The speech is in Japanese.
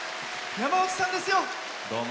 山内さんですよ、憧れの。